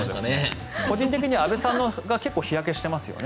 個人的には安部さんが結構日焼けしてますよね。